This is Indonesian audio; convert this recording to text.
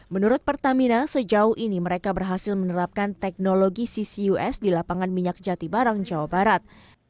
menurut pertamina sejauh ini mereka berhasil menerapkan teknologi ccus di lapangan minyak jati barang jawa barat